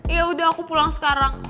ya udah aku pulang sekarang